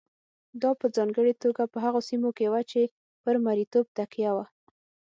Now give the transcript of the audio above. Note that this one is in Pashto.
دا په ځانګړې توګه په هغو سیمو کې وه چې پر مریتوب تکیه وه.